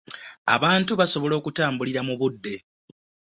abantu basobola okutambulira mu budde.